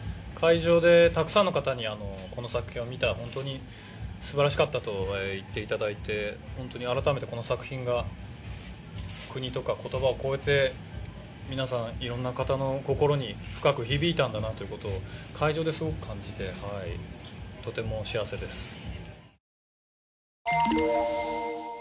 会場で、たくさんの方にこの作品を見た、本当にすばらしかったと言っていただいて、本当に改めて、この作品が国とか言葉を超えて皆さん、いろんな方の心に深く響いたんだなということを会場ですごく感じて、とても幸せです。